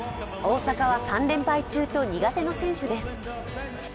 大坂は３連敗中と苦手の選手です。